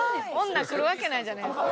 女来るわけないじゃないですか。